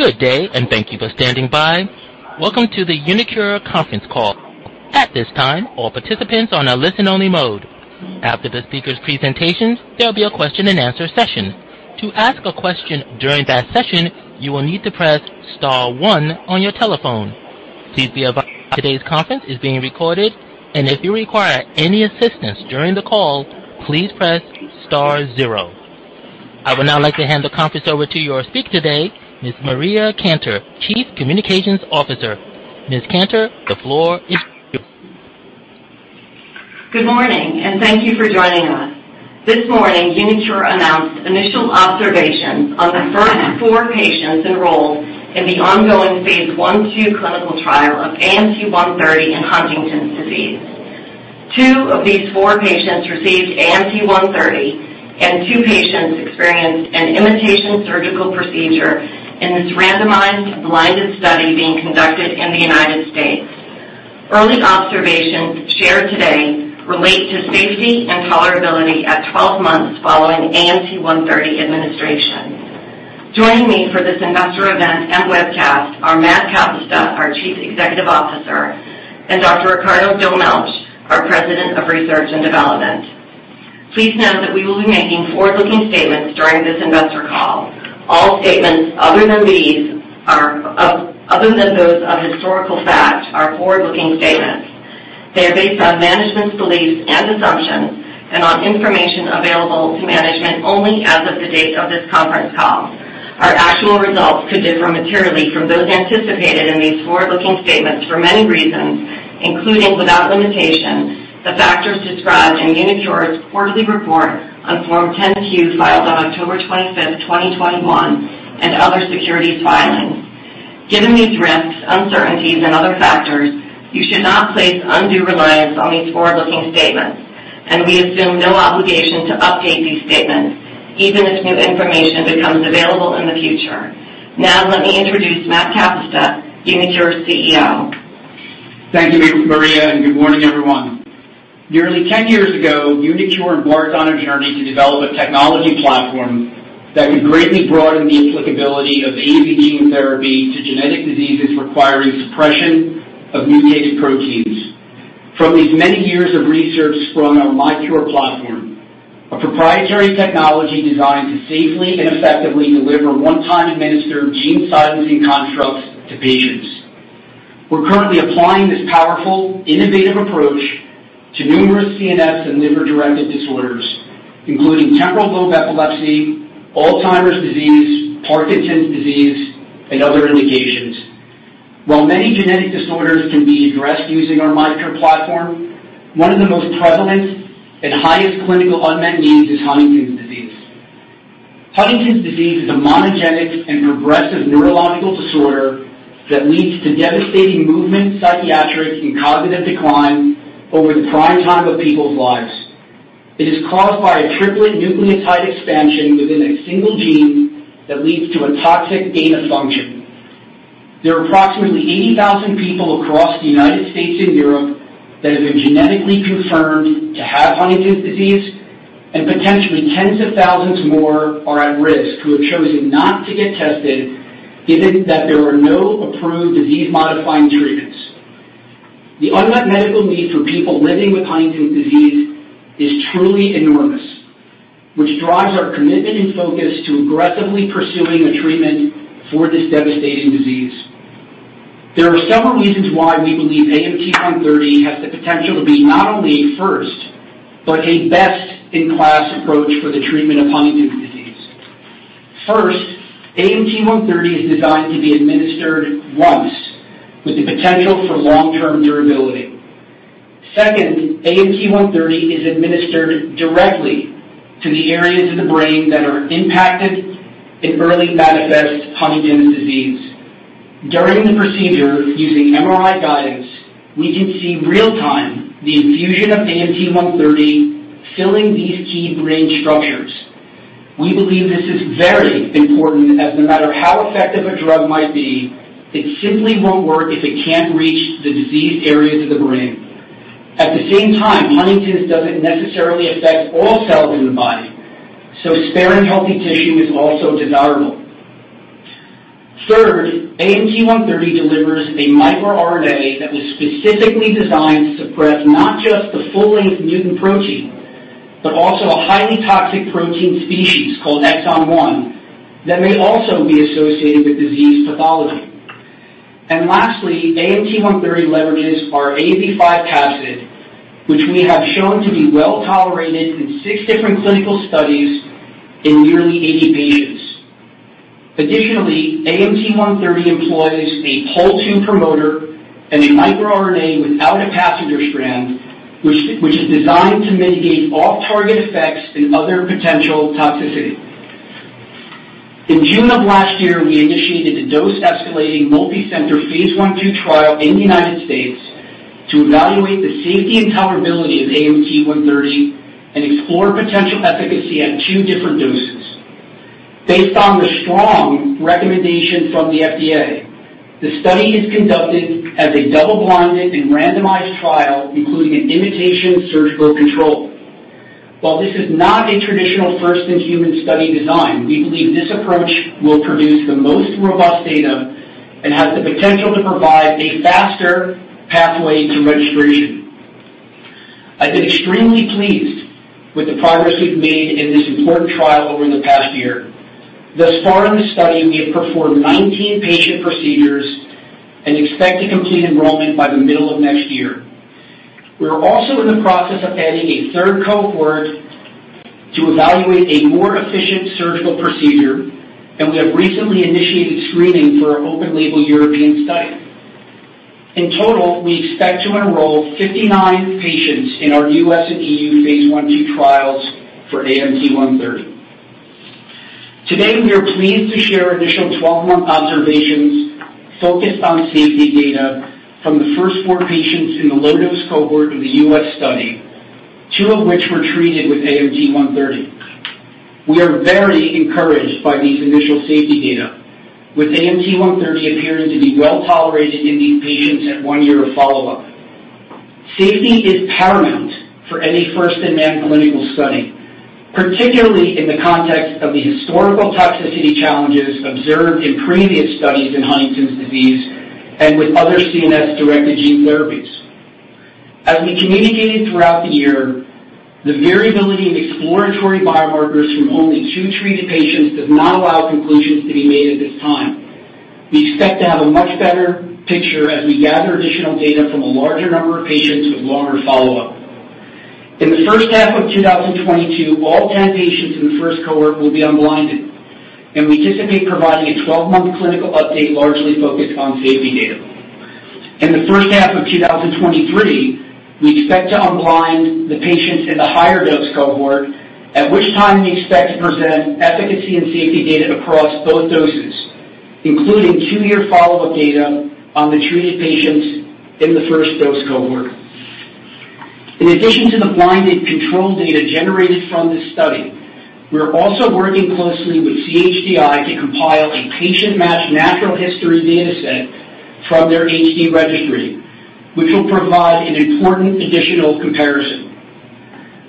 Good day, and thank you for standing by. Welcome to the uniQure conference call. At this time, all participants are on a listen-only mode. After the speaker's presentations, there'll be a question-and-answer session. To ask a question during that session, you will need to press star one on your telephone. Please be advised today's conference is being recorded, and if you require any assistance during the call, please press star zero. I would now like to hand the conference over to your speaker today, Ms. Maria Cantor, Chief Communications Officer. Ms. Cantor, the floor is yours. Good morning, and thank you for joining us. This morning, uniQure announced initial observations on the first four patients enrolled in the ongoing phase I/II clinical trial of AMT-130 in Huntington's disease. Two of these four patients received AMT-130, and two patients experienced an imitation surgical procedure in this randomized blinded study being conducted in the U.S. Early observations shared today relate to safety and tolerability at 12 months following AMT-130 administration. Joining me for this investor event and webcast are Matt Kapusta, our Chief Executive Officer, and Dr. Ricardo Dolmetsch, our President of Research and Development. Please note that we will be making forward-looking statements during this investor call. All statements other than those of historical fact are forward-looking statements. They are based on management's beliefs and assumptions and on information available to management only as of the date of this conference call. Our actual results could differ materially from those anticipated in these forward-looking statements for many reasons, including, without limitation, the factors described in uniQure's quarterly report on Form 10-Q filed on October 25th, 2021, and other securities filings. Given these risks, uncertainties and other factors, you should not place undue reliance on these forward-looking statements, and we assume no obligation to update these statements even as new information becomes available in the future. Now let me introduce Matt Kapusta, uniQure's CEO. Thank you, Maria, and good morning, everyone. Nearly 10 years ago, uniQure embarked on a journey to develop a technology platform that would greatly broaden the applicability of AAV gene therapy to genetic diseases requiring suppression of mutated proteins. From these many years of research sprung our miQURE platform, a proprietary technology designed to safely and effectively deliver one-time administered gene silencing constructs to patients. We're currently applying this powerful, innovative approach to numerous CNS and liver-directed disorders, including temporal lobe epilepsy, Alzheimer's disease, Parkinson's disease, and other indications. While many genetic disorders can be addressed using our miQURE platform, one of the most prevalent and highest clinical unmet needs is Huntington's disease. Huntington's disease is a monogenic and progressive neurological disorder that leads to devastating movement, psychiatric, and cognitive decline over the prime time of people's lives. It is caused by a triplet nucleotide expansion within a single gene that leads to a toxic gain of function. There are approximately 80,000 people across the United States and Europe that have been genetically confirmed to have Huntington's disease, and potentially tens of thousands more are at risk who have chosen not to get tested, given that there are no approved disease-modifying treatments. The unmet medical need for people living with Huntington's disease is truly enormous, which drives our commitment and focus to aggressively pursuing a treatment for this devastating disease. There are several reasons why we believe AMT-130 has the potential to be not only a first, but a best-in-class approach for the treatment of Huntington's disease. First, AMT-130 is designed to be administered once with the potential for long-term durability. Second, AMT-130 is administered directly to the areas of the brain that are impacted in early manifest Huntington's disease. During the procedure, using MRI guidance, we can see real-time the infusion of AMT-130 filling these key brain structures. We believe this is very important, as no matter how effective a drug might be, it simply won't work if it can't reach the diseased areas of the brain. At the same time, Huntington's doesn't necessarily affect all cells in the body, so sparing healthy tissue is also desirable. Third, AMT-130 delivers a microRNA that was specifically designed to suppress not just the full-length mutant protein, but also a highly toxic protein species called exon 1 that may also be associated with disease pathology. Lastly, AMT-130 leverages our AAV5 capsid, which we have shown to be well-tolerated in six different clinical studies in nearly 80 patients. Additionally, AMT-130 employs a Pol II promoter and a microRNA without a passenger strand, which is designed to mitigate off-target effects and other potential toxicity. In June of last year, we initiated a dose-escalating, multi-center, phase I/II trial in the United States to evaluate the safety and tolerability of AMT-130 and explore potential efficacy at two different doses based on the strong recommendation from the FDA. The study is conducted as a double-blinded and randomized trial, including an imitation surgical control. While this is not a traditional first-in-human study design, we believe this approach will produce the most robust data and has the potential to provide a faster pathway to registration. I've been extremely pleased with the progress we've made in this important trial over the past year. Thus far in the study, we have performed 19 patient procedures and expect to complete enrollment by the middle of next year. We are also in the process of adding a third cohort to evaluate a more efficient surgical procedure, and we have recently initiated screening for an open-label European study. In total, we expect to enroll 59 patients in our U.S. and EU phase I/II trials for AMT-130. Today, we are pleased to share initial 12-month observations focused on safety data from the first four patients in the low-dose cohort of the U.S. study, two of which were treated with AMT-130. We are very encouraged by these initial safety data, with AMT-130 appearing to be well-tolerated in these patients at one year of follow-up. Safety is paramount for any first-in-man clinical study, particularly in the context of the historical toxicity challenges observed in previous studies in Huntington's disease and with other CNS-directed gene therapies. As we communicated throughout the year, the variability in exploratory biomarkers from only two treated patients does not allow conclusions to be made at this time. We expect to have a much better picture as we gather additional data from a larger number of patients with longer follow-up. In the first half of 2022, all 10 patients in the first cohort will be unblinded, and we anticipate providing a 12-month clinical update largely focused on safety data. In the first half of 2023, we expect to unblind the patients in the higher dose cohort, at which time we expect to present efficacy and safety data across both doses, including two-year follow-up data on the treated patients in the first dose cohort. In addition to the blinded control data generated from this study, we are also working closely with CHDI to compile a patient-matched natural history data set from their HD registry, which will provide an important additional comparison.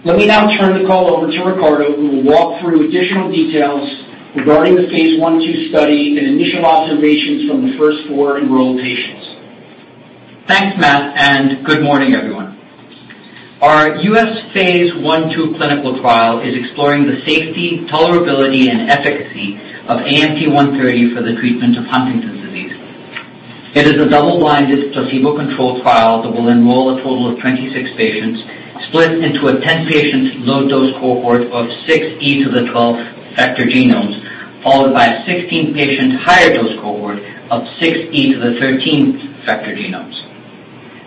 Let me now turn the call over to Ricardo, who will walk through additional details regarding the phase I/II study and initial observations from the first four enrolled patients. Thanks, Matt, and good morning, everyone. Our U.S. phase I/II clinical trial is exploring the safety, tolerability, and efficacy of AMT-130 for the treatment of Huntington's disease. It is a double-blinded, placebo-controlled trial that will enroll a total of 26 patients split into a 10-patient low-dose cohort of 6 × 10^{12} vector genomes, followed by a 16-patient higher-dose cohort of 6 × 10^{13} vector genomes.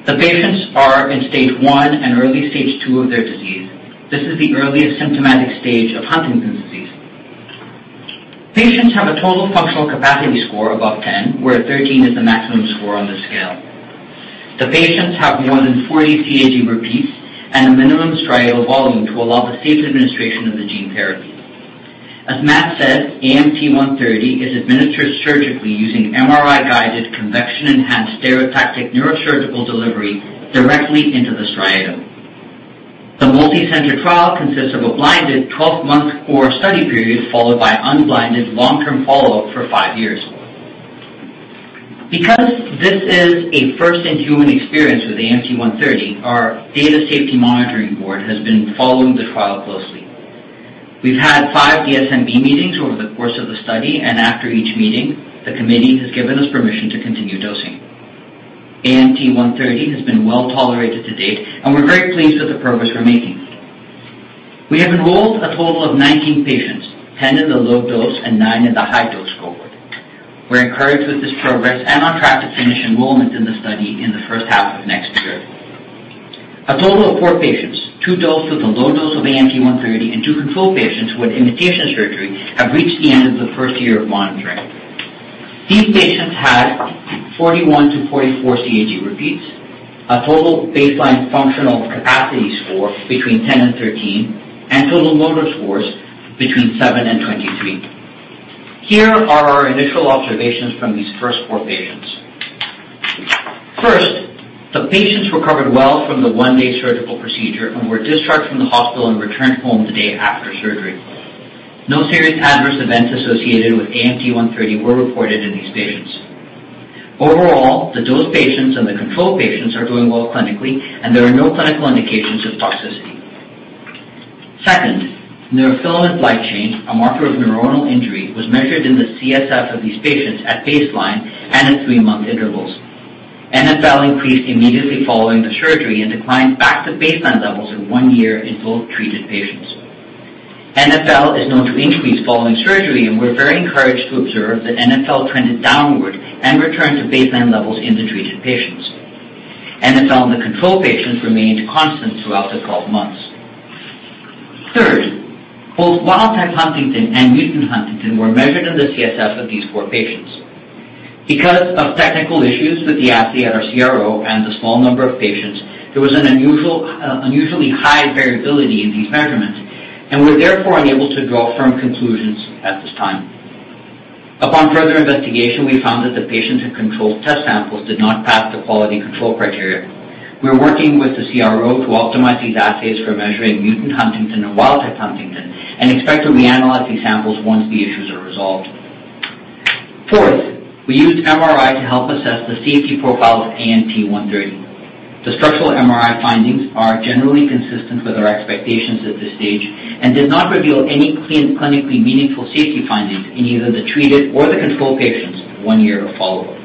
The patients are in stage one and early stage two of their disease. This is the earliest symptomatic stage of Huntington's disease. Patients have a total functional capacity score above 10, where a 13 is the maximum score on this scale. The patients have more than 40 CAG repeats and a minimum striatal volume to allow the safe administration of the gene therapy. As Matt said, AMT-130 is administered surgically using MRI-guided convection-enhanced stereotactic neurosurgical delivery directly into the striatum. The multicenter trial consists of a blinded 12-month core study period followed by unblinded long-term follow-up for five years. Because this is a first-in-human experience with AMT-130, our Data Safety Monitoring Board has been following the trial closely. We've had five DSMB meetings over the course of the study, and after each meeting, the committee has given us permission to continue dosing. AMT-130 has been well-tolerated to date, and we're very pleased with the progress we're making. We have enrolled a total of 19 patients, 10 in the low-dose and nine in the high-dose cohort. We're encouraged with this progress and on track to finish enrollment in the study in the first half of next year. A total of four patients, two dosed with a low dose of AMT-130 and two control patients who had sham surgery, have reached the end of the first year of monitoring. These patients had 41-44 CAG repeats, a total baseline Total Functional Capacity score between 10 and 13, and total motor Total Motor Scores between seven and 23. Here are our initial observations from these first four patients. First, the patients recovered well from the one-day surgical procedure and were discharged from the hospital and returned home the day after surgery. No serious adverse events associated with AMT-130 were reported in these patients. Overall, the dosed patients and the control patients are doing well clinically, and there are no clinical indications of toxicity. Second, neurofilament light change, a marker of neuronal injury, was measured in the CSF of these patients at baseline and at three-month intervals. NfL increased immediately following the surgery and declined back to baseline levels at one year in both treated patients. NfL is known to increase following surgery, and we're very encouraged to observe that NfL trended downward and returned to baseline levels in the treated patients. NfL in the control patients remained constant throughout the 12 months. Third, both wild-type Huntington and mutant Huntington were measured in the CSF of these four patients. Because of technical issues with the assay at our CRO and the small number of patients, there was an unusually high variability in these measurements, and we're therefore unable to draw firm conclusions at this time. Upon further investigation, we found that the control test samples did not pass the quality control criteria. We're working with the CRO to optimize these assays for measuring mutant Huntington and wild type Huntington, and expect to reanalyze these samples once the issues are resolved. Fourth, we used MRI to help assess the safety profile of AMT-130. The structural MRI findings are generally consistent with our expectations at this stage and did not reveal any new, clinically meaningful safety findings in either the treated or the control patients one year of follow-up.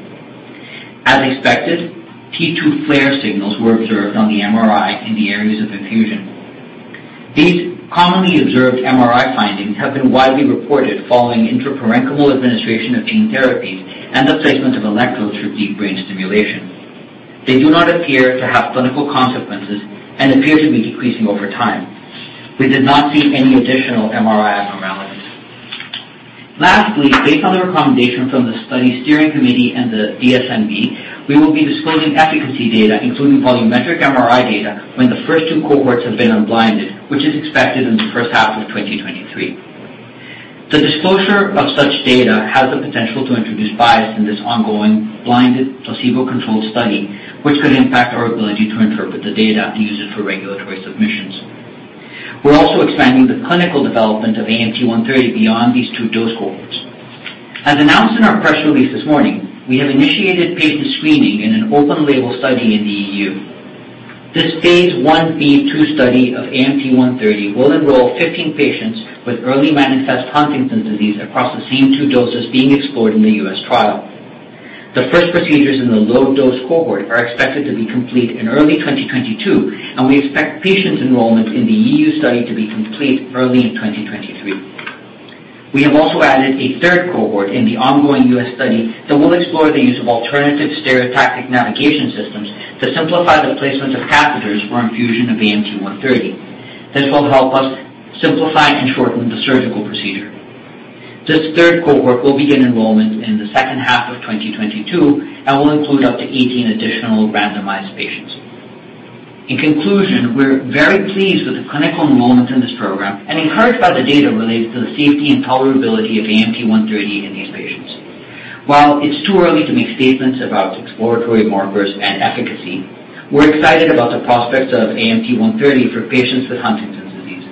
As expected, T2-FLAIR signals were observed on the MRI in the areas of infusion. These commonly observed MRI findings have been widely reported following intraparenchymal administration of gene therapies and the placement of electrodes for deep brain stimulation. They do not appear to have clinical consequences and appear to be decreasing over time. We did not see any additional MRI abnormalities. Lastly, based on the recommendation from the study steering committee and the DSMB, we will be disclosing efficacy data, including volumetric MRI data, when the first two cohorts have been unblinded, which is expected in the first half of 2023. The disclosure of such data has the potential to introduce bias in this ongoing, blinded, placebo-controlled study, which could impact our ability to interpret the data and use it for regulatory submissions. We're also expanding the clinical development of AMT-130 beyond these two dose cohorts. As announced in our press release this morning, we have initiated patient screening in an open-label study in the EU. This phase I-B/II study of AMT-130 will enroll 15 patients with early manifest Huntington's disease across the same two doses being explored in the U.S. trial. The first procedures in the low dose cohort are expected to be complete in early 2022, and we expect patients enrollment in the EU study to be complete early in 2023. We have also added a third cohort in the ongoing U.S. study that will explore the use of alternative stereotactic navigation systems to simplify the placement of catheters for infusion of AMT-130. This will help us simplify and shorten the surgical procedure. This third cohort will begin enrollment in the second half of 2022 and will include up to 18 additional randomized patients. In conclusion, we're very pleased with the clinical enrollments in this program and encouraged by the data related to the safety and tolerability of AMT-130 in these patients. While it's too early to make statements about exploratory markers and efficacy, we're excited about the prospects of AMT-130 for patients with Huntington's disease.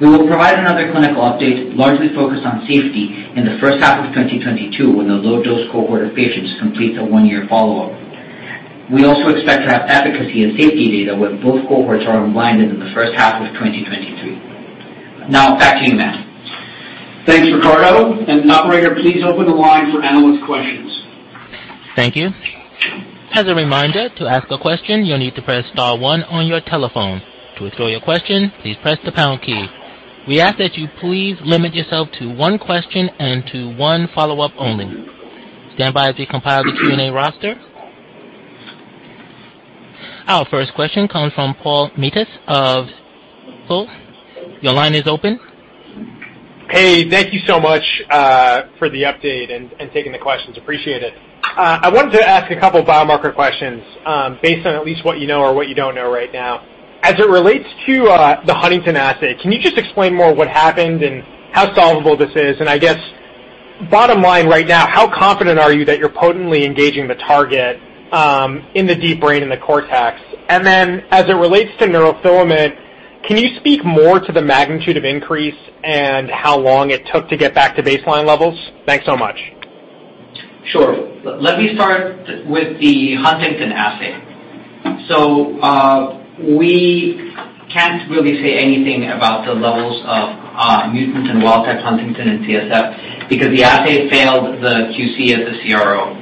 We will provide another clinical update, largely focused on safety, in the first half of 2022 when the low dose cohort of patients completes a one-year follow-up. We also expect to have efficacy and safety data when both cohorts are unblinded in the first half of 2023. Now back to you, Matt. Thanks, Ricardo. Operator, please open the line for analyst questions. Thank you. As a reminder, to ask a question you'll need to press star one on your telephone. To withdraw your question, please press the pound key. We ask that you please limit yourself to one question and to one follow-up only. Stand by as we compile the Q&A roster. Our first question comes from Paul Matteis of Stifel. Your line is open. Hey, thank you so much for the update and taking the questions. Appreciate it. I wanted to ask a couple biomarker questions, based on at least what you know or what you don't know right now. As it relates to the Huntington assay, can you just explain more what happened and how solvable this is? I guess bottom line right now, how confident are you that you're potently engaging the target in the deep brain in the cortex? As it relates to neurofilament, can you speak more to the magnitude of increase and how long it took to get back to baseline levels? Thanks so much. Sure. Let me start with the Huntington assay. We can't really say anything about the levels of mutant and wild-type Huntington in CSF because the assay failed the QC at the CRO.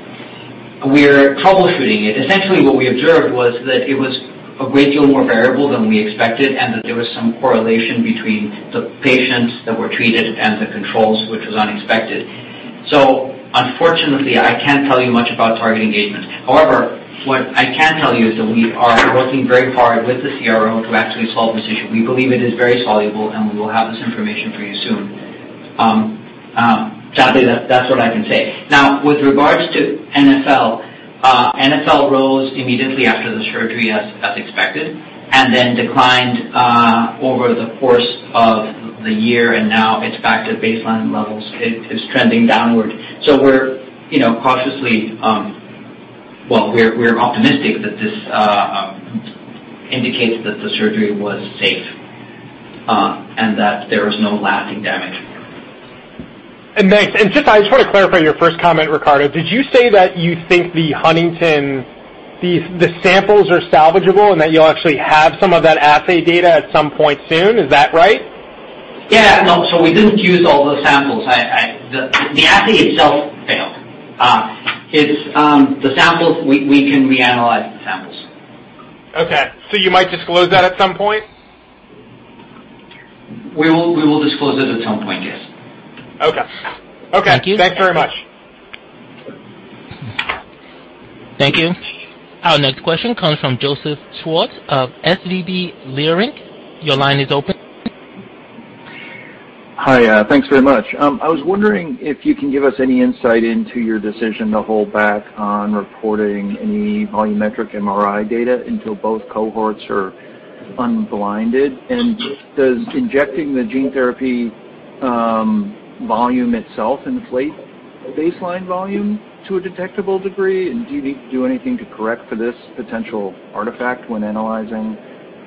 We're troubleshooting it. Essentially, what we observed was that it was a great deal more variable than we expected and that there was some correlation between the patients that were treated and the controls, which was unexpected. Unfortunately, I can't tell you much about target engagement. However, what I can tell you is that we are working very hard with the CRO to actually solve this issue. We believe it is very solvable, and we will have this information for you soon. Sadly, that's what I can say. Now, with regards to NfL rose immediately after the surgery as expected, and then declined over the course of the year, and now it's back to baseline levels. It is trending downward. We're cautiously optimistic that this indicates that the surgery was safe, and that there is no lasting damage. Thanks. I just want to clarify your first comment, Ricardo. Did you say that you think the Huntington samples are salvageable and that you'll actually have some of that assay data at some point soon? Is that right? Yeah. No, we didn't use all the samples. The assay itself failed. It's the samples we can reanalyze. Okay. You might disclose that at some point? We will disclose it at some point, yes. Okay. Okay. Thank you. Thanks very much. Thank you. Our next question comes from Joseph Schwartz of SVB Leerink. Your line is open. Hi. Thanks very much. I was wondering if you can give us any insight into your decision to hold back on reporting any volumetric MRI data until both cohorts are unblinded. Does injecting the gene therapy volume itself inflate baseline volume to a detectable degree? Do you do anything to correct for this potential artifact when analyzing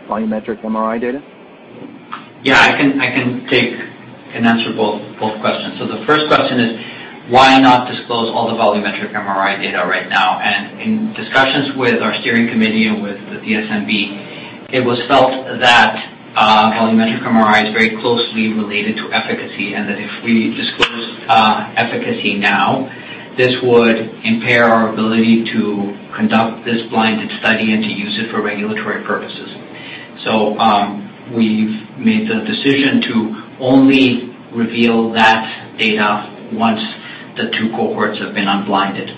volumetric MRI data? I can take and answer both questions. The first question is why not disclose all the volumetric MRI data right now? In discussions with our steering committee and with the DSMB, it was felt that volumetric MRI is very closely related to efficacy, and that if we disclose efficacy now, this would impair our ability to conduct this blinded study and to use it for regulatory purposes. We've made the decision to only reveal that data once the two cohorts have been unblinded.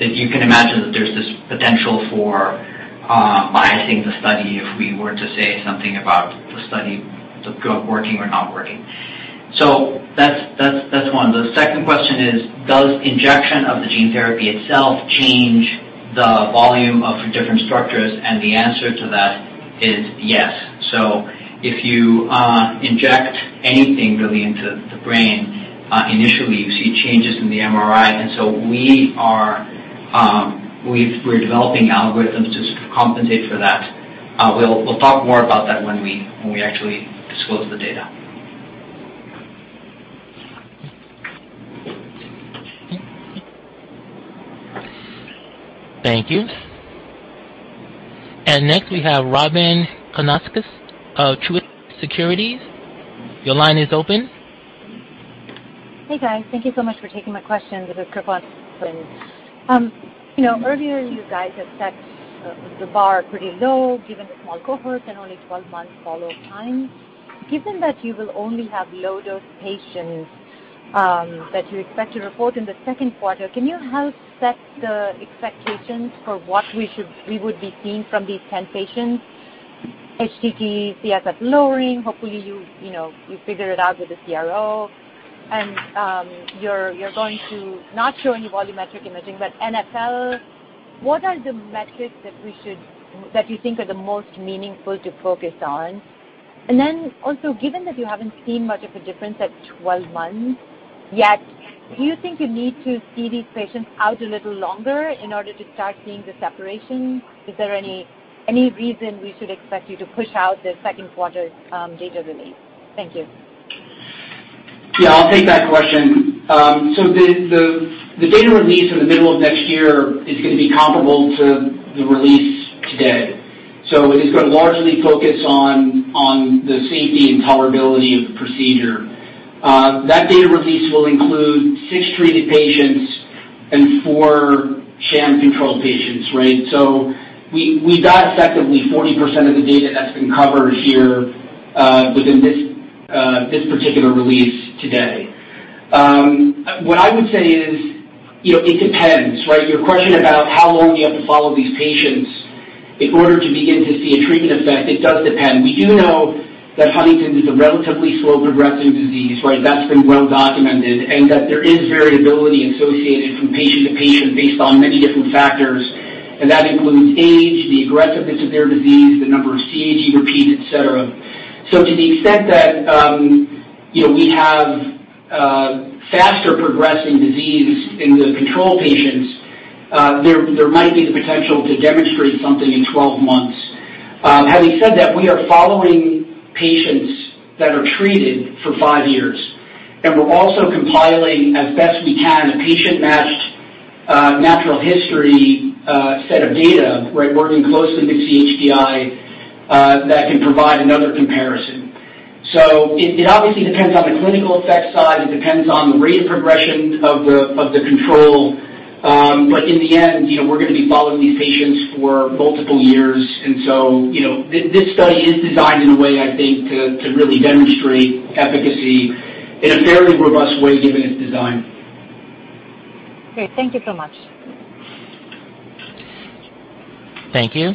If you can imagine that there's this potential for biasing the study if we were to say something about the study working or not working. That's one. The second question is, does injection of the gene therapy itself change the volume of different structures? The answer to that is yes. If you inject anything really into the brain, initially you see changes in the MRI. We're developing algorithms to compensate for that. We'll talk more about that when we actually disclose the data. Thank you. Next, we have Robyn Karnauskas of Truist Securities. Your line is open. Hey, guys. Thank you so much for taking my questions. This is. You know, earlier, you guys have set the bar pretty low given the small cohorts and only 12 months follow-up time. Given that you will only have low dose patients that you expect to report in the second quarter, can you help set the expectations for what we would be seeing from these 10 patients? HTT CSF lowering. Hopefully you figure it out with the CRO. You're going to not show any volumetric imaging, but NfL, what are the metrics that you think are the most meaningful to focus on? Also given that you haven't seen much of a difference at 12 months yet, do you think you need to see these patients out a little longer in order to start seeing the separation? Is there any reason we should expect you to push out the second quarter data release? Thank you. Yeah, I'll take that question. The data release in the middle of next year is gonna be comparable to the release today. It is gonna largely focus on the safety and tolerability of the procedure. That data release will include six treated patients and four sham-controlled patients, right? We got effectively 40% of the data that's been covered here within this particular release today. What I would say is, you know, it depends, right? Your question about how long you have to follow these patients in order to begin to see a treatment effect, it does depend. We do know that Huntington's is a relatively slow progressive disease, right? That's been well documented, and that there is variability associated from patient to patient based on many different factors, and that includes age, the aggressiveness of their disease, the number of CAG repeats, et cetera. To the extent that, you know, we have faster progressing disease in the control patients, there might be the potential to demonstrate something in 12 months. Having said that, we are following patients that are treated for five years, and we're also compiling, as best we can, a patient-matched natural history set of data, right? Working closely with CHDI, that can provide another comparison. It obviously depends on the clinical effect side. It depends on the rate of progression of the control. But in the end, you know, we're gonna be following these patients for multiple years. You know, this study is designed in a way, I think, to really demonstrate efficacy in a fairly robust way given its design. Great. Thank you so much. Thank you.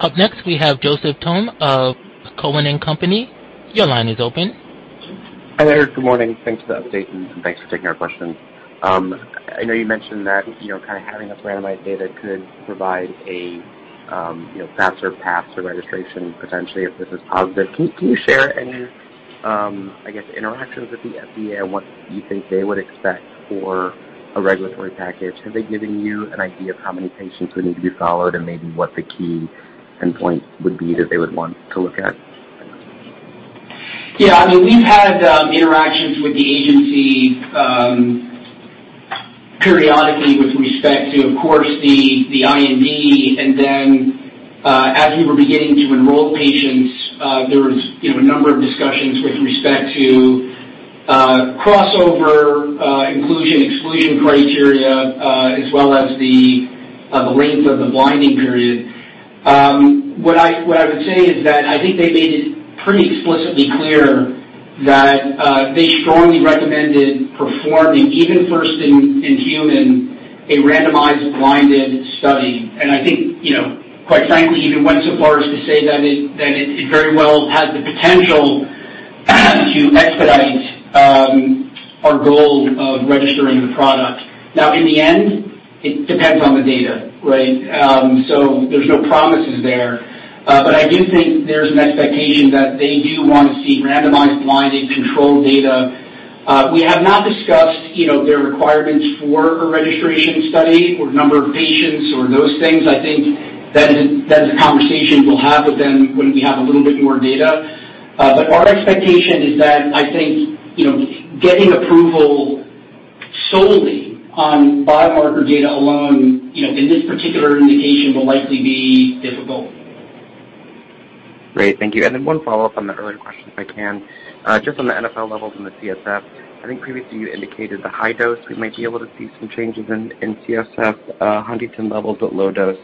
Up next, we have Joseph Thome of Cowen and Company. Your line is open. Hi there. Good morning. Thanks for the update, and thanks for taking our question. I know you mentioned that, you know, kind of having a randomized data could provide a, you know, faster path to registration potentially if this is positive. Can you share any, I guess, interactions with the FDA and what you think they would expect for a regulatory package? Have they given you an idea of how many patients would need to be followed and maybe what the key endpoint would be that they would want to look at? Yeah. I mean, we've had interactions with the agency periodically with respect to, of course, the IND. Then, as we were beginning to enroll patients, there was, you know, a number of discussions with respect to crossover, inclusion, exclusion criteria, as well as the length of the blinding period. What I would say is that I think they made it pretty explicitly clear that they strongly recommended performing even first in human a randomized blinded study. I think, you know, quite frankly, even went so far as to say that it very well has the potential to expedite our goal of registering the product. Now, in the end, it depends on the data, right? There's no promises there, but I do think there's an expectation that they do want to see randomized, blinded, controlled data. We have not discussed, you know, their requirements for a registration study or number of patients or those things. I think that is a conversation we'll have with them when we have a little bit more data. Our expectation is that, I think, you know, getting approval solely on biomarker data alone, you know, in this particular indication will likely be difficult. Great. Thank you. One follow-up on the earlier question, if I can. Just on the NfL levels and the CSF, I think previously you indicated the high dose, we might be able to see some changes in CSF Huntington levels at low dose,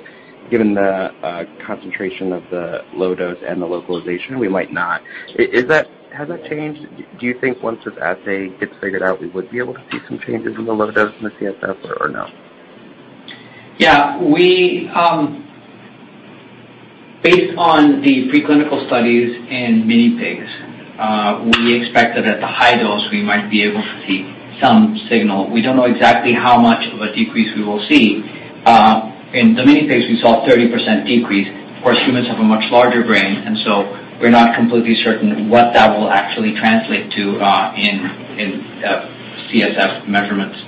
given the concentration of the low dose and the localization, we might not. Is that? Has that changed? Do you think once this assay gets figured out, we would be able to see some changes in the low dose in the CSF, or no? Yeah. Based on the preclinical studies in minipigs, we expected at the high dose we might be able to see some signal. We don't know exactly how much of a decrease we will see. In the mini pigs, we saw a 30% decrease. Of course, humans have a much larger brain, and so we're not completely certain what that will actually translate to in CSF measurements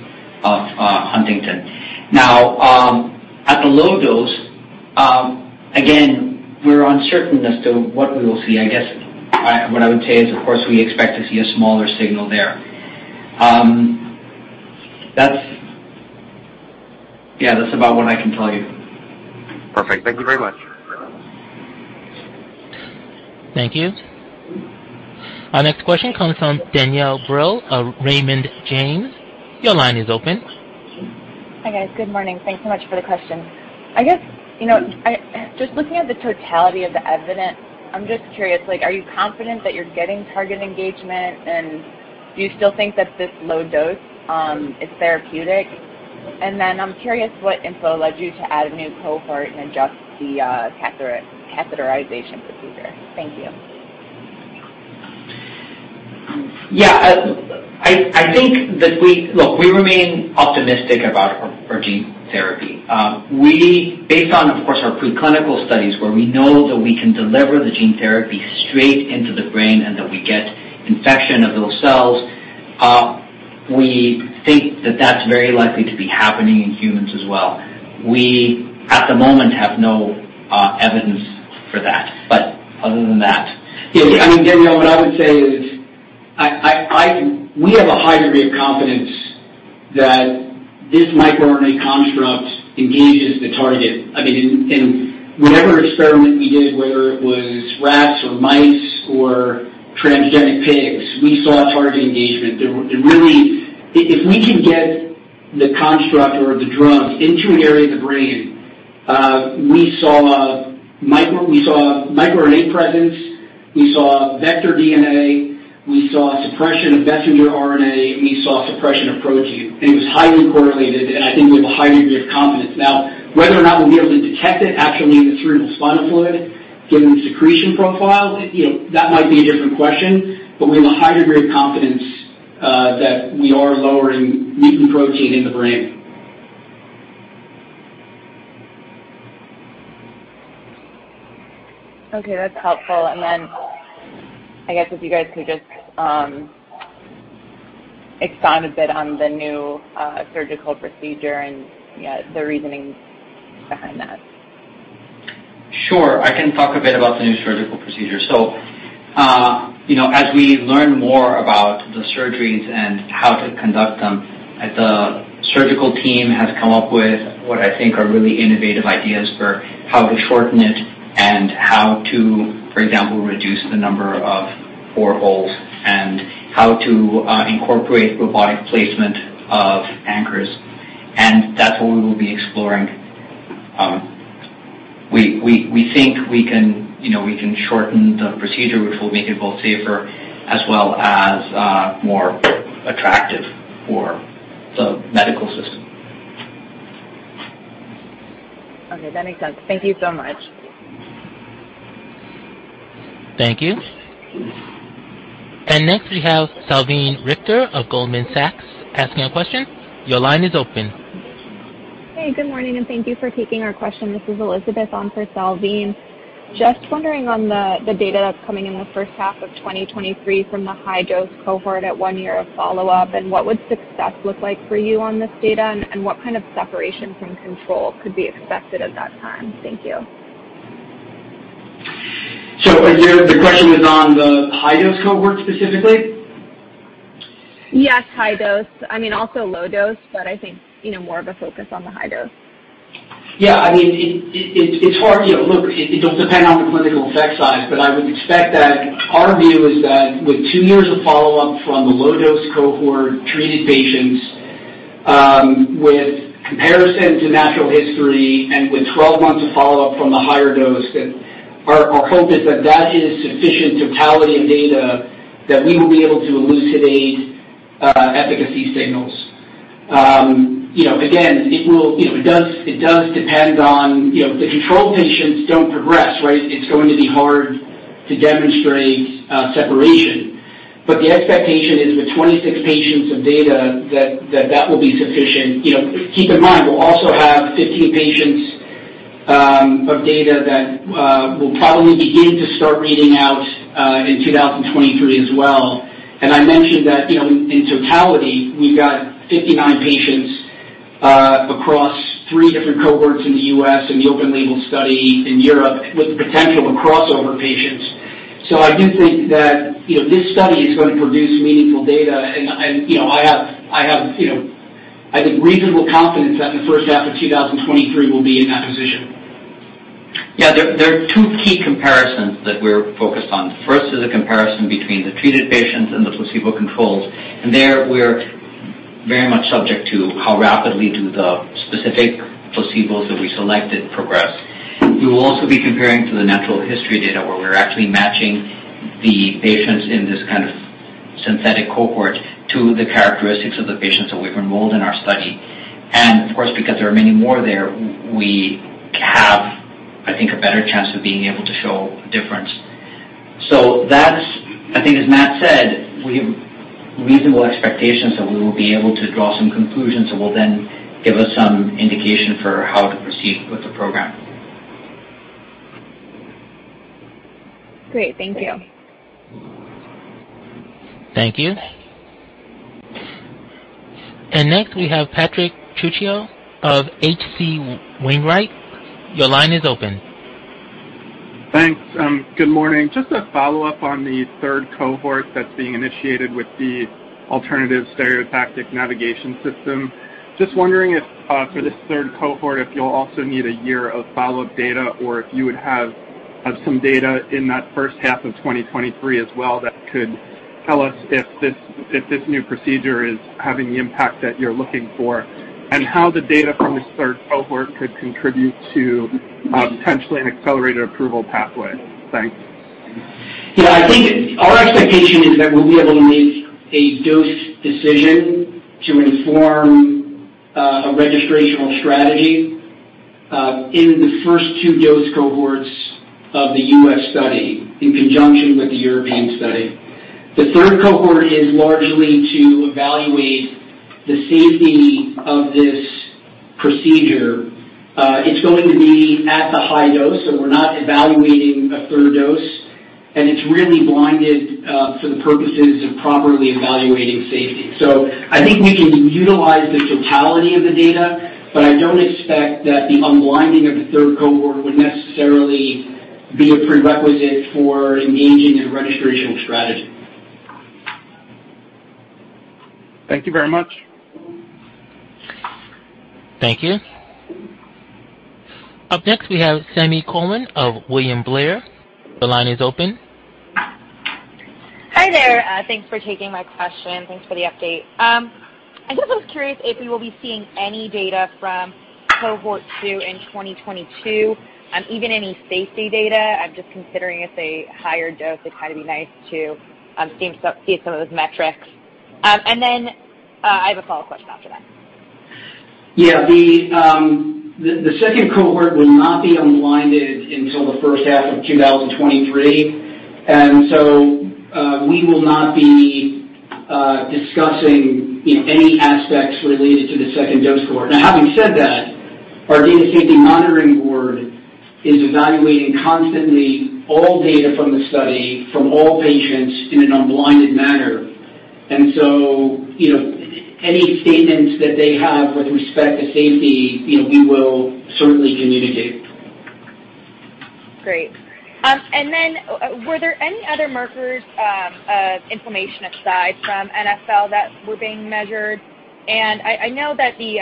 of Huntington. Now, at the low dose, again, we're uncertain as to what we will see. I guess what I would say is, of course, we expect to see a smaller signal there. That's about what I can tell you. Perfect. Thank you very much. Thank you. Our next question comes from Danielle Brill of Raymond James. Your line is open. Hi, guys. Good morning. Thanks so much for the questions. I guess, you know, just looking at the totality of the evidence, I'm just curious, like, are you confident that you're getting target engagement, and do you still think that this low dose is therapeutic? I'm curious what info led you to add a new cohort and adjust the catheter, catheterization procedure. Thank you. I think that we remain optimistic about our gene therapy. Based on, of course, our preclinical studies where we know that we can deliver the gene therapy straight into the brain and that we get infection of those cells, we think that that's very likely to be happening in humans as well. At the moment, we have no evidence for that. But other than that. Yeah. I mean, Danielle, what I would say is we have a high degree of confidence that this microRNA construct engages the target. I mean, whatever experiment we did, whether it was rats or mice or transgenic pigs, we saw target engagement. If we can get the construct or the drug into an area of the brain, we saw microRNA presence, we saw vector DNA, we saw suppression of messenger RNA, and we saw suppression of protein. It was highly correlated, and I think we have a high degree of confidence. Now, whether or not we'll be able to detect it actually in the cerebrospinal fluid, given the secretion profile, you know, that might be a different question. We have a high degree of confidence that we are lowering mutant protein in the brain. Okay. That's helpful. Then I guess if you guys could just expand a bit on the new surgical procedure and the reasoning behind that. Sure. I can talk a bit about the new surgical procedure. You know, as we learn more about the surgeries and how to conduct them, the surgical team has come up with what I think are really innovative ideas for how to shorten it and how to, for example, reduce the number of burr holes and how to incorporate robotic placement of anchors. That's what we will be exploring. We think we can shorten the procedure, which will make it both safer as well as more attractive for the medical system. Okay. That makes sense. Thank you so much. Thank you. Next, we have Salveen Richter of Goldman Sachs asking a question. Your line is open. Hey. Good morning, and thank you for taking our question. This is Elizabeth on for Salveen. Just wondering on the data that's coming in the first half of 2023 from the high-dose cohort at one year of follow-up, and what would success look like for you on this data, and what kind of separation from control could be expected at that time? Thank you. The question was on the high-dose cohort specifically? Yes. High dose. I mean, also low dose, but I think, you know, more of a focus on the high dose. Yeah. I mean, it's hard, you know. Look, it'll depend on the clinical effect size, but I would expect that our view is that with two years of follow-up from the low-dose cohort treated patients, with comparison to natural history and with 12 months of follow-up from the higher dose, that our hope is that that is sufficient totality of data that we will be able to elucidate efficacy signals. You know, again, it does depend on, you know, if the control patients don't progress, right? It's going to be hard to demonstrate separation. The expectation is with 26 patients of data that will be sufficient. You know, keep in mind, we'll also have 15 patients of data that will probably begin to start reading out in 2023 as well. I mentioned that, you know, in totality, we've got 59 patients across three different cohorts in the U.S., in the open label study in Europe with the potential of crossover patients. I do think that, you know, this study is gonna produce meaningful data. You know, I have, you know, I think reasonable confidence that in the first half of 2023 we'll be in that position. Yeah. There, there are two key comparisons that we're focused on. First is the comparison between the treated patients and the placebo controls. There, we're very much subject to how rapidly do the specific placebos that we selected progress. We will also be comparing to the natural history data where we're actually matching the patients in this kind of synthetic cohort to the characteristics of the patients that we've enrolled in our study. Of course, because there are many more there, we have, I think, a better chance of being able to show a difference. That's. I think as Matt said, we have reasonable expectations that we will be able to draw some conclusions that will then give us some indication for how to proceed with the program. Great. Thank you. Thank you. Next, we have Patrick Trucchio of H.C. Wainwright. Your line is open. Thanks. Good morning. Just a follow-up on the third cohort that's being initiated with the alternative stereotactic navigation system. Just wondering if, for this third cohort, if you'll also need a year of follow-up data or if you would have some data in that first half of 2023 as well that could tell us if this new procedure is having the impact that you're looking for, and how the data from this third cohort could contribute to potentially an accelerated approval pathway. Thanks. Yeah. I think our expectation is that we'll be able to make a dose decision to inform a registrational strategy in the first two dose cohorts of the U.S. study in conjunction with the European study. The third cohort is largely to evaluate the safety of this procedure. It's going to be at the high dose, so we're not evaluating a third dose, and it's really blinded for the purposes of properly evaluating safety. I think we can utilize the totality of the data, but I don't expect that the unblinding of the third cohort would necessarily be a prerequisite for engaging in a registrational strategy. Thank you very much. Thank you. Up next, we have Sami Corwin of William Blair. The line is open. Hi, there. Thanks for taking my question. Thanks for the update. I guess I was curious if we will be seeing any data from cohort 2 in 2022, even any safety data. I'm just considering it's a higher dose. It'd kinda be nice to see some of those metrics. I have a follow-up question after that. Yeah. The second cohort will not be unblinded until the first half of 2023. We will not be discussing, you know, any aspects related to the second dose cohort. Now, having said that, our data safety monitoring board is evaluating constantly all data from the study from all patients in an unblinded manner. You know, any statements that they have with respect to safety, you know, we will certainly communicate. Great. Were there any other markers of inflammation aside from NfL that were being measured? I know that the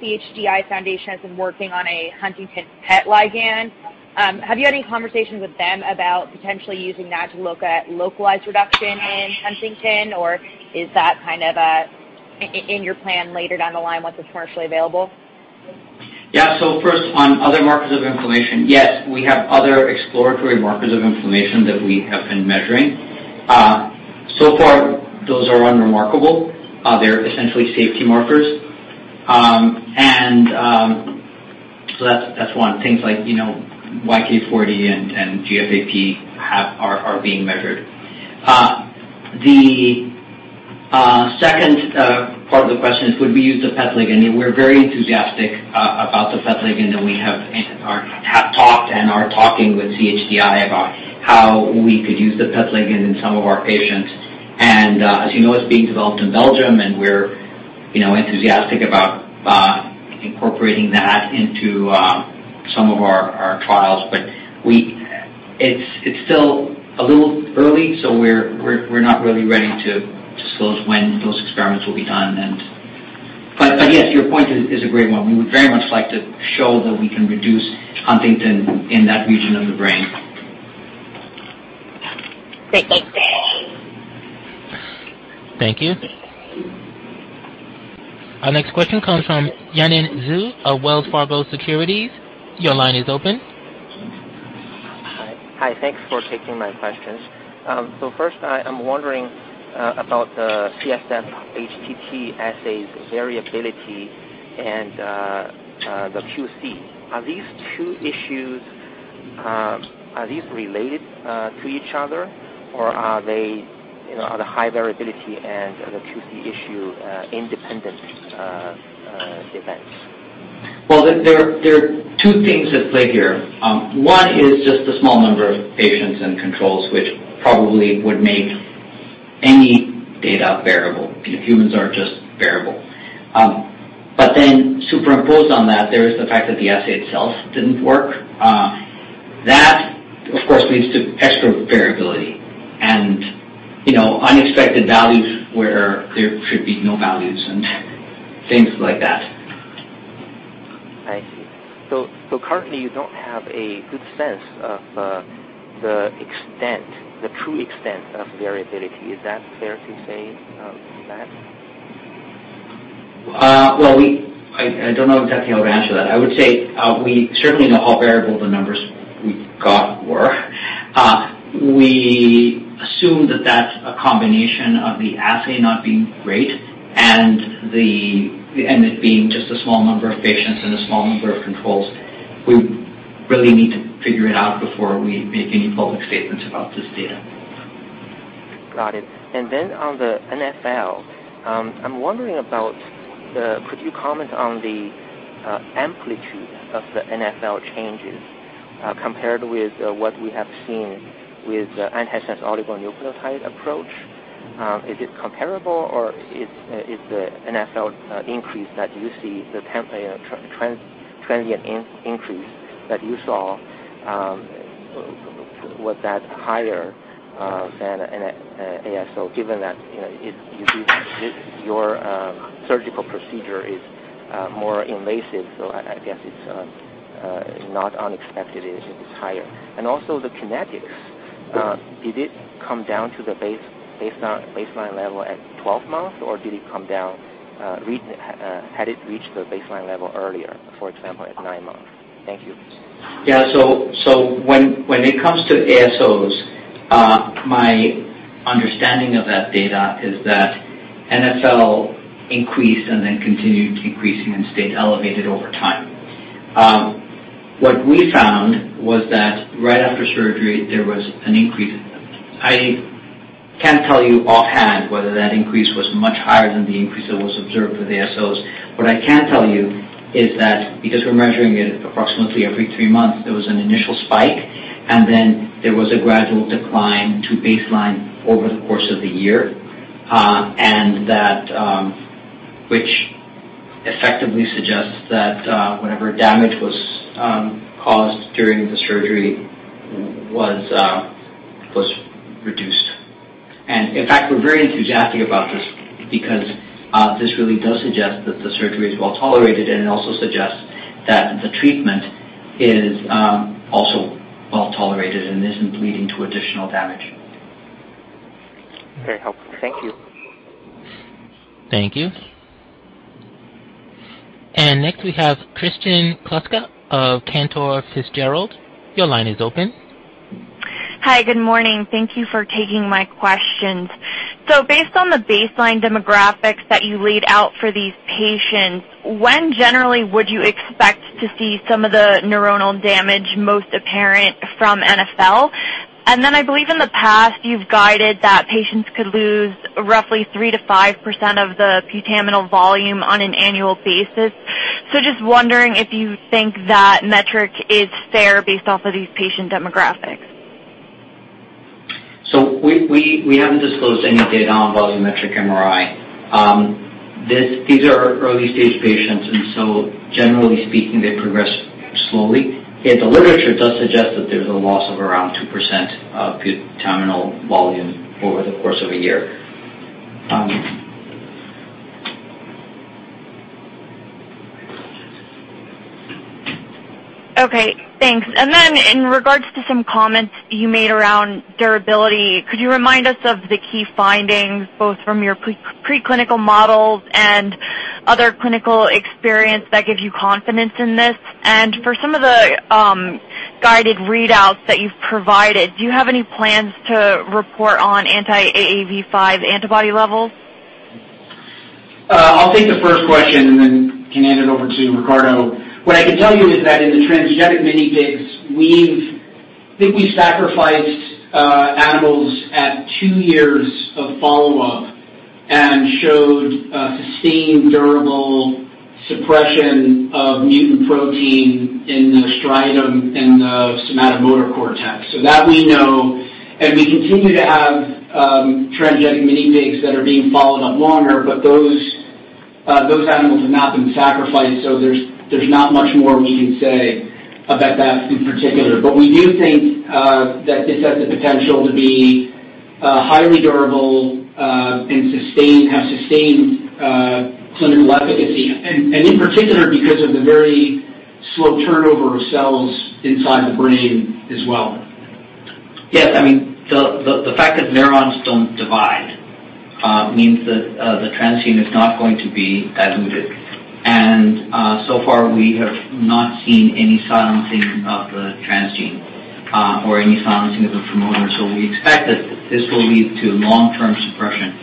CHDI Foundation has been working on a Huntington's PET ligand. Have you had any conversations with them about potentially using that to look at localized reduction in Huntington's, or is that kind of in your plan later down the line once it's commercially available? Yeah. First, on other markers of inflammation. Yes, we have other exploratory markers of inflammation that we have been measuring. So far, those are unremarkable. They're essentially safety markers. That's one. Things like, you know, YKL-40 and GFAP are being measured. The second part of the question is, would we use the PET ligand? We're very enthusiastic about the PET ligand, and we have talked and are talking with CHDI about how we could use the PET ligand in some of our patients. As you know, it's being developed in Belgium, and we're, you know, enthusiastic about incorporating that into some of our trials. It's still a little early, so we're not really ready to disclose when those experiments will be done. Yes, your point is a great one. We would very much like to show that we can reduce Huntington in that region of the brain. Great. Thanks. Thank you. Our next question comes from Yanan Zhu of Wells Fargo Securities. Your line is open. Hi. Thanks for taking my questions. First I'm wondering about the CSF-HTT assay's variability and the QC. Are these two issues related to each other or are they, you know, the high variability and the QC issue independent events? Well, there are two things at play here. One is just the small number of patients and controls, which probably would make any data variable. Humans are just variable. Superimposed on that, there is the fact that the assay itself didn't work. That, of course, leads to extra variability and, you know, unexpected values where there should be no values and things like that. I see. Currently you don't have a good sense of, the extent, the true extent of variability. Is that fair to say, about? Well, I don't know exactly how to answer that. I would say, we certainly know how variable the numbers we got were. We assume that that's a combination of the assay not being great and it being just a small number of patients and a small number of controls. We really need to figure it out before we make any public statements about this data. Got it. On the NfL, I'm wondering. Could you comment on the amplitude of the NfL changes compared with what we have seen with the antisense oligonucleotide approach? Is it comparable, or is the NfL increase that you see, the temporary transient increase that you saw, was that higher than an ASO, given that, you know, it's usually your surgical procedure is more invasive, so I guess it's not unexpected it is higher. Also the kinetics. Uh. Did it come down to the baseline level at 12 months, or had it reached the baseline level earlier, for example, at nine months? Thank you. Yeah. When it comes to ASOs, my understanding of that data is that NfL increased and then continued increasing and stayed elevated over time. What we found was that right after surgery, there was an increase. I can't tell you offhand whether that increase was much higher than the increase that was observed with ASOs. What I can tell you is that because we're measuring it approximately every three months, there was an initial spike, and then there was a gradual decline to baseline over the course of the year. Which effectively suggests that whatever damage was caused during the surgery was reduced. In fact, we're very enthusiastic about this because this really does suggest that the surgery is well-tolerated, and it also suggests that the treatment is also well-tolerated and isn't leading to additional damage. Very helpful. Thank you. Thank you. Next, we have Kristen Kluska of Cantor Fitzgerald. Your line is open. Hi. Good morning. Thank you for taking my questions. Based on the baseline demographics that you laid out for these patients, when generally would you expect to see some of the neuronal damage most apparent from NfL? And then I believe in the past, you've guided that patients could lose roughly 3%-5% of the putamen volume on an annual basis. Just wondering if you think that metric is fair based off of these patient demographics. We haven't disclosed any data on volumetric MRI. These are early-stage patients and so generally speaking, they progress slowly. Yet the literature does suggest that there's a loss of around 2% of putamen volume over the course of a year. Okay, thanks. In regards to some comments you made around durability, could you remind us of the key findings both from your preclinical models and other clinical experience that gives you confidence in this? For some of the guidance readouts that you've provided, do you have any plans to report on anti-AAV5 antibody levels? I'll take the first question and then I can hand it over to Ricardo. What I can tell you is that in the transgenic minipigs, we've, I think, sacrificed animals at two years of follow-up and showed a sustained durable suppression of mutant protein in the striatum and the somatomotor cortex. That we know, and we continue to have transgenic minipigs that are being followed up longer, but those animals have not been sacrificed, so there's not much more we can say about that in particular. We do think that this has the potential to be highly durable and sustained clinical efficacy. In particular, because of the very slow turnover of cells inside the brain as well. Yes. I mean, the fact that neurons don't divide. Means that the transgene is not going to be as muted. So far we have not seen any silencing of the transgene or any silencing of the promoter. We expect that this will lead to long-term suppression.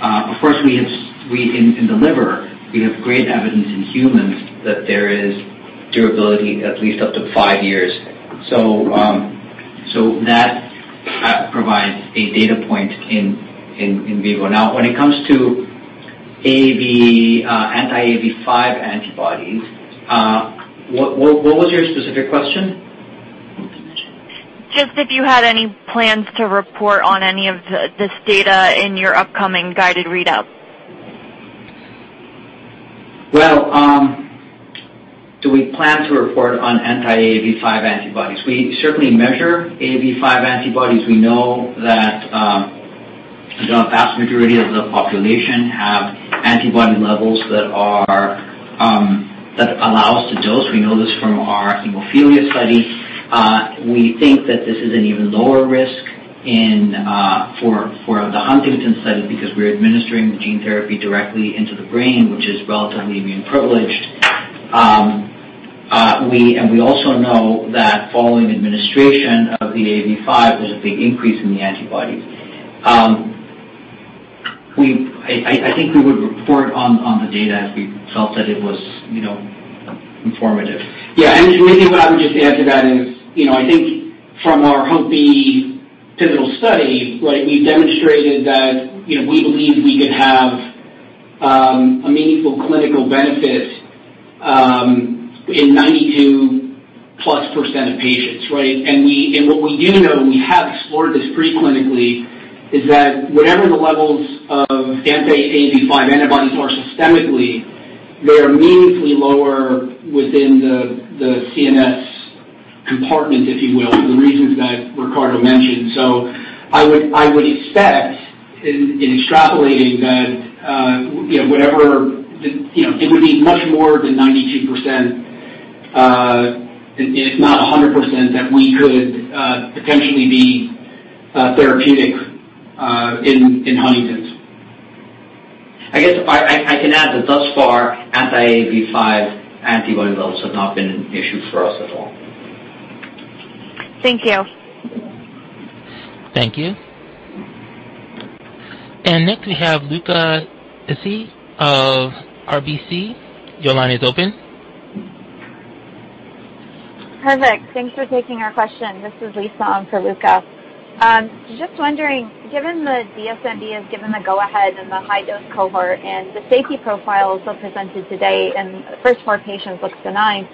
Of course, in the liver, we have great evidence in humans that there is durability at least up to five years. That provides a data point in vivo. Now, when it comes to AAV, anti-AAV5 antibodies, what was your specific question? Just, if you had any plans to report on any of this data in your upcoming guided readout? Well, do we plan to report on anti-AAV5 antibodies? We certainly measure AAV5 antibodies. We know that the vast majority of the population have antibody levels that allows the dose. We know this from our hemophilia study. We think that this is an even lower risk for the Huntington study because we're administering the gene therapy directly into the brain, which is relatively immune privileged. We also know that following administration of the AAV5, there's a big increase in the antibodies. I think we would report on the data if we felt that it was, you know, informative. Yeah. Maybe what I would just add to that is, you know, I think from our HOPE-B pivotal study, right, we've demonstrated that, you know, we believe we could have a meaningful clinical benefit in 92%+ of patients, right? What we do know, and we have explored this preclinically, is that whatever the levels of anti-AAV5 antibodies are systemically, they are meaningfully lower within the CNS compartment, if you will for the reasons that Ricardo mentioned. I would expect, in extrapolating that, you know, it would be much more than 92%, if not 100%, that we could potentially be therapeutic in Huntington's. I guess I can add that thus far, anti-AAV5 antibody levels have not been an issue for us at all. Thank you. Thank you. Next we have Luca Issi of RBC. Your line is open. Perfect. Thanks for taking our question. This is Lisa in for Luca. Just wondering, given the DSMB has given the go-ahead in the high-dose cohort and the safety profile so presented today and the first four patients looks benign,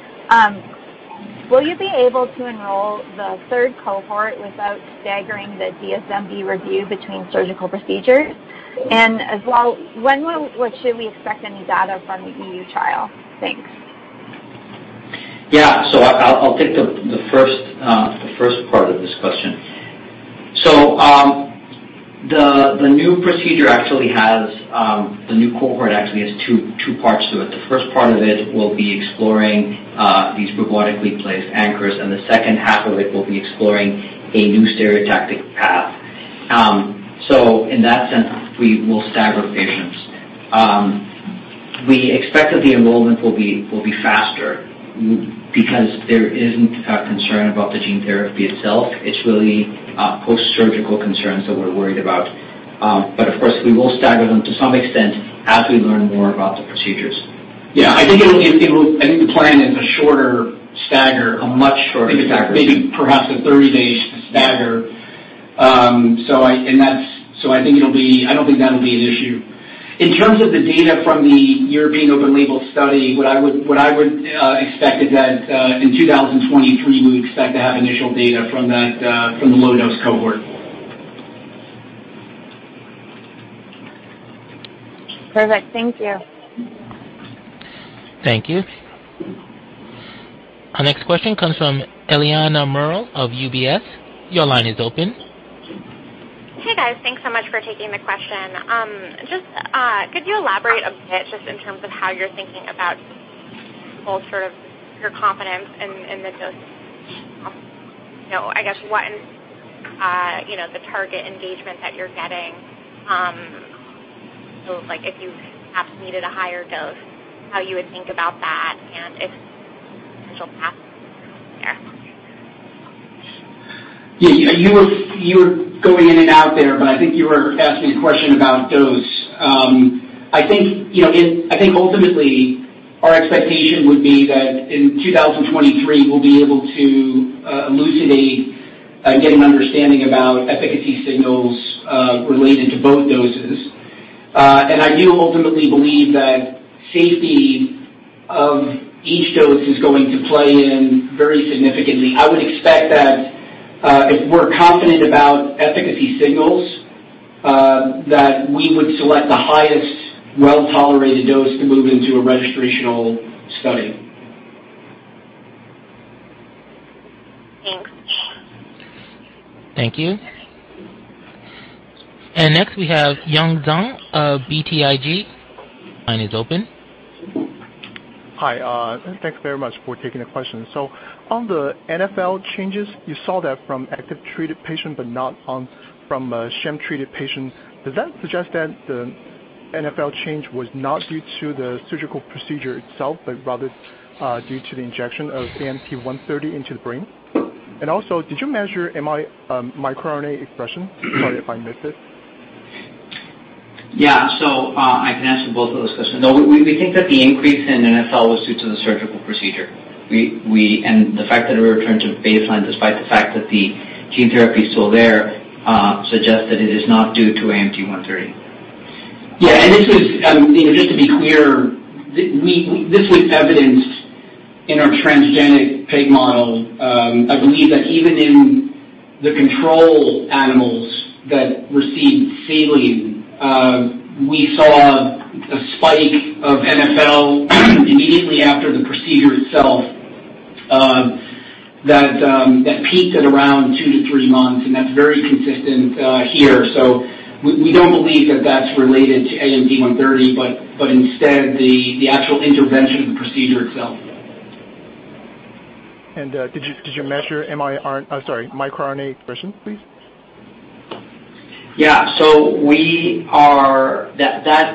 will you be able to enroll the third cohort without staggering the DSMB review between surgical procedures? As well, when should we expect any data from the EU trial? Thanks. I'll take the first part of this question. The new cohort actually has two parts to it. The first part of it will be exploring these robotically placed anchors, and the second half of it will be exploring a new stereotactic path. In that sense, we will stagger patients. We expect that the enrollment will be faster because there isn't a concern about the gene therapy itself. It's really postsurgical concerns that we're worried about. Of course, we will stagger them to some extent as we learn more about the procedures. Yeah. I think the plan is a shorter stagger, a much shorter stagger. I think it's actually. Maybe perhaps a 30-day stagger. I don't think that'll be an issue. In terms of the data from the European open label study, what I would expect is that, in 2023, we would expect to have initial data from that, from the low-dose cohort. Perfect. Thank you. Thank you. Our next question comes from Eliana Merle of UBS. Your line is open. Hey, guys. Thanks so much for taking the question. Just could you elaborate a bit just in terms of how you're thinking about all sort of your confidence in the dose? You know, I guess the target engagement that you're getting. Like if you perhaps needed a higher dose, how you would think about that and if potential paths there. Yeah. You were going in and out there, but I think you were asking a question about dose. I think, you know, ultimately our expectation would be that in 2023, we'll be able to elucidate, get an understanding about efficacy signals related to both doses. I do ultimately believe that safety of each dose is going to play in very significantly. I would expect that, if we're confident about efficacy signals, that we would select the highest well-tolerated dose to move into a registrational study. Thanks. Thank you. Next we have Yun Zhong of BTIG. Line is open. Hi, thanks very much for taking the question. On the NfL changes, you saw that from active treated patient but not from a sham treated patient. Does that suggest that the NfL change was not due to the surgical procedure itself but rather due to the injection of AMT-130 into the brain? And also, did you measure microRNA expression? Sorry if I missed it. Yeah, I can answer both of those questions. No, we think that the increase in NfL was due to the surgical procedure and the fact that it returned to baseline despite the fact that the gene therapy is still there suggests that it is not due to AMT-130. Yeah. This was, you know, just to be clear, this was evidenced in our transgenic pig model. I believe that even in the control animals that received saline, we saw a spike of NfL immediately after the procedure itself, that peaked at around two to three months, and that's very consistent here. We don't believe that that's related to AMT-130, but instead the actual intervention of the procedure itself. Did you measure microRNA expression, please? That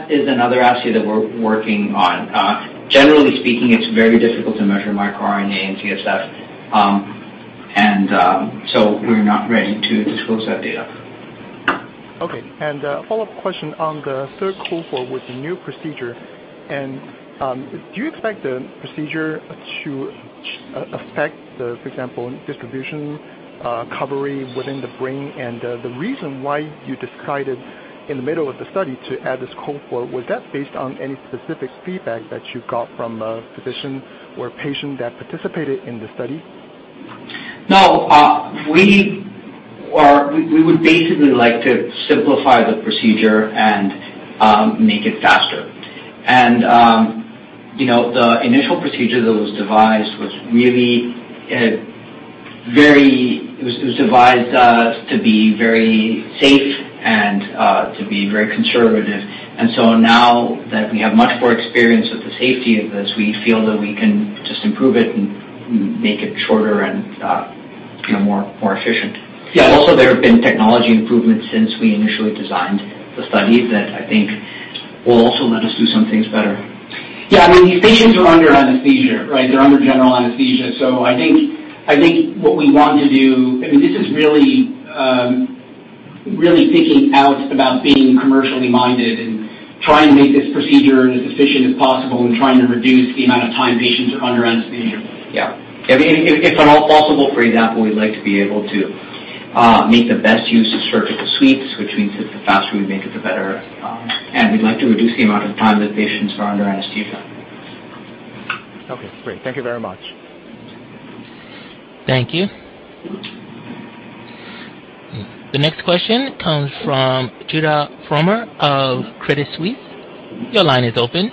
is another assay that we're working on. Generally speaking, it's very difficult to measure microRNA in CSF. We're not ready to disclose that data. Okay. A follow-up question on the third cohort with the new procedure. Do you expect the procedure to affect, for example, the distribution, coverage within the brain? The reason why you decided in the middle of the study to add this cohort, was that based on any specific feedback that you got from a physician or patient that participated in the study? No. We would basically like to simplify the procedure and make it faster. You know, the initial procedure that was devised to be very safe and to be very conservative. Now that we have much more experience with the safety of this, we feel that we can just improve it and make it shorter and, you know, more efficient. Yeah. There have been technology improvements since we initially designed the study that I think will also let us do some things better. Yeah. I mean, these patients are under anesthesia, right? They're under general anesthesia. I think what we want to do. I mean, this is really thinking out about being commercially minded and trying to make this procedure as efficient as possible and trying to reduce the amount of time patients are under anesthesia. Yeah. I mean, if at all possible, for example, we'd like to be able to make the best use of surgical suites, which means that the faster we make it, the better. We'd like to reduce the amount of time that patients are under anesthesia. Okay, great. Thank you very much. Thank you. The next question comes from Judah Frommer of Credit Suisse. Your line is open.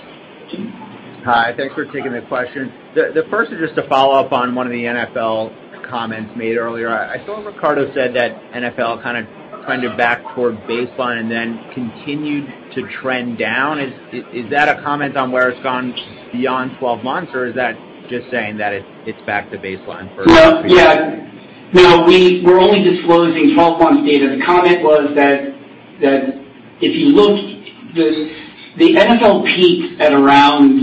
Hi. Thanks for taking the question. The first is just a follow-up on one of the NfL comments made earlier. I saw Ricardo said that NfL kind of trended back toward baseline and then continued to trend down. Is that a comment on where it's gone beyond 12 months, or is that just saying that it's back to baseline for- Well, yeah. No, we're only disclosing 12 months data. The comment was that if you look this, the NfL peaked at around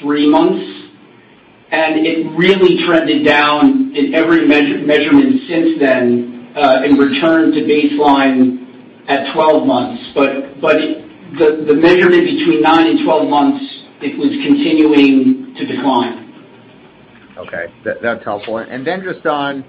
three months, and it really trended down in every measurement since then, and returned to baseline at 12 months. The measurement between nine and 12 months, it was continuing to decline. Okay. That's helpful. Then just on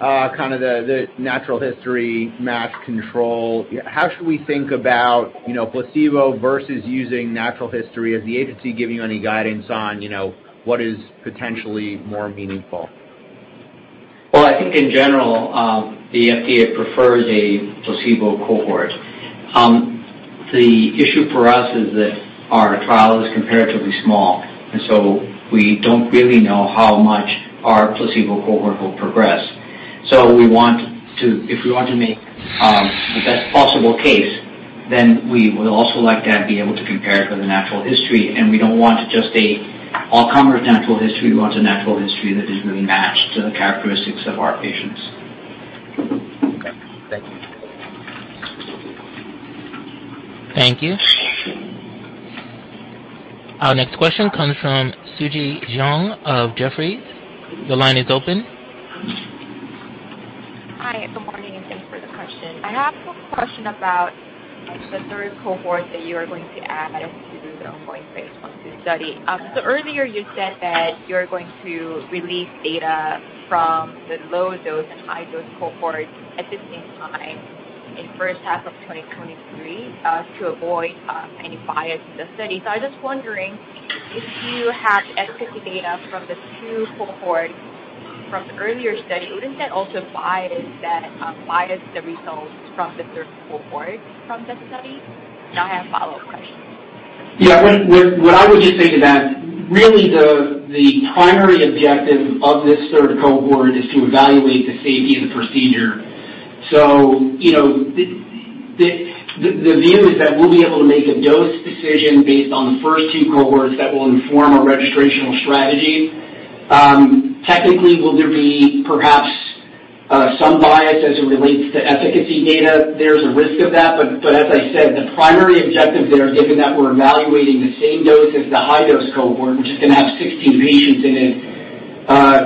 kind of the natural history matched control, how should we think about, you know, placebo versus using natural history? Is the agency giving you any guidance on, you know, what is potentially more meaningful? Well, I think in general, the FDA prefers a placebo cohort. The issue for us is that our trial is comparatively small, and so we don't really know how much our placebo cohort will progress. If we want to make the best possible case, then we will also like to be able to compare it with the natural history, and we don't want just an all-comer natural history. We want a natural history that is really matched to the characteristics of our patients. Okay. Thank you. Thank you. Our next question comes from Suji Jeong of Jefferies. Your line is open. Hi. Good morning, and thanks for the question. I have a question about the third cohort that you are going to add to the ongoing phase I/II study. Earlier you said that you're going to release data from the low-dose and high-dose cohort at the same time in first half of 2023 to avoid any bias in the study. I was just wondering if you had extracted data from the two cohort from the earlier study, wouldn't that also bias the results from the third cohort from that study? I have a follow-up question. Yeah. What I would just say to that, really the primary objective of this third cohort is to evaluate the safety of the procedure. You know, the view is that we'll be able to make a dose decision based on the first two cohorts that will inform our registrational strategy. Technically, will there be perhaps some bias as it relates to efficacy data? There's a risk of that. As I said, the primary objective there, given that we're evaluating the same dose as the high-dose cohort, which is gonna have 16 patients in it,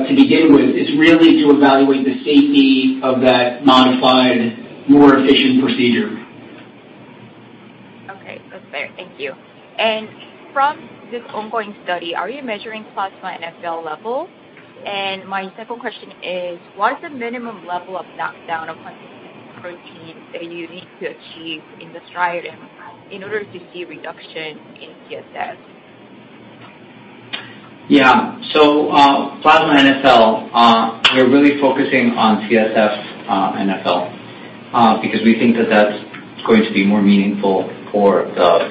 to begin with, is really to evaluate the safety of that modified, more efficient procedure. Okay. That's fair. Thank you. From this ongoing study, are you measuring plasma NfL levels? My second question is, what is the minimum level of knockdown of Huntington protein that you need to achieve in the striatum in order to see a reduction in CSF? Yeah. Plasma NfL, we're really focusing on CSF NfL, because we think that that's going to be more meaningful for the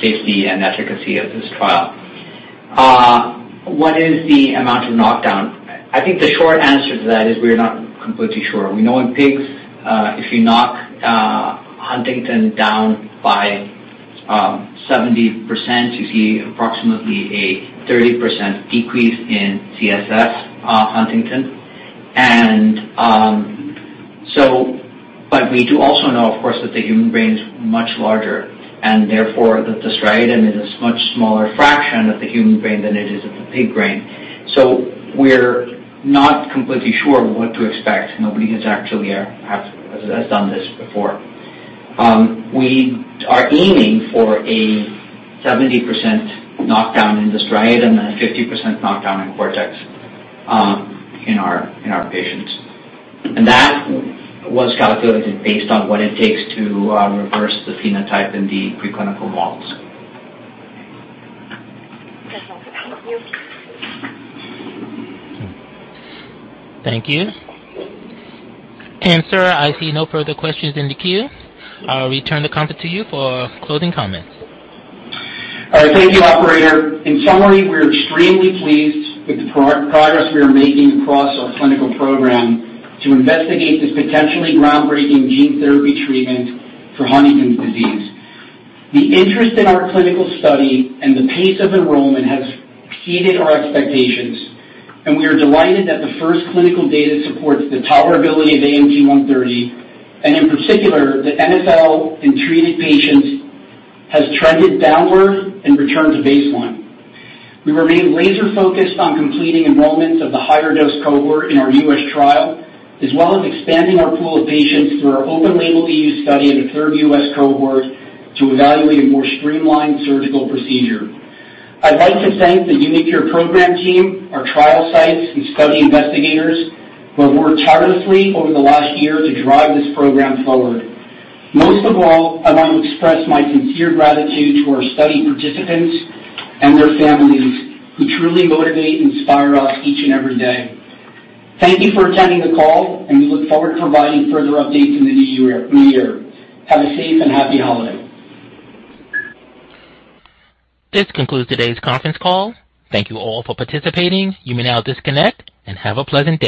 safety and efficacy of this trial. What is the amount of knockdown? I think the short answer to that is we're not completely sure. We know in pigs, if you knock Huntington down by 70%, you see approximately a 30% decrease in CSF Huntington. We do also know, of course, that the human brain is much larger, and therefore, that the striatum is a much smaller fraction of the human brain than it is of the pig brain. We're not completely sure what to expect. Nobody has actually done this before. We are aiming for a 70% knockdown in the striatum and a 50% knockdown in cortex, in our patients. That was calculated based on what it takes to reverse the phenotype in the preclinical models. That helps. Thank you. Thank you. Sir, I see no further questions in the queue. I'll return the conference to you for closing comments. All right. Thank you, operator. In summary, we are extremely pleased with the progress we are making across our clinical program to investigate this potentially groundbreaking gene therapy treatment for Huntington's disease. The interest in our clinical study and the pace of enrollment has exceeded our expectations, and we are delighted that the first clinical data supports the tolerability of AMT-130 and in particular, the NfL in treated patients has trended downward and returned to baseline. We remain laser-focused on completing enrollments of the higher dose cohort in our U.S. trial, as well as expanding our pool of patients through our open-label EU study and a third U.S. cohort to evaluate a more streamlined surgical procedure. I'd like to thank the uniQure program team, our trial sites, and study investigators who have worked tirelessly over the last year to drive this program forward. Most of all, I want to express my sincere gratitude to our study participants and their families who truly motivate and inspire us each and every day. Thank you for attending the call, and we look forward to providing further updates in the new year. Have a safe and happy holiday. This concludes today's conference call. Thank you all for participating. You may now disconnect and have a pleasant day.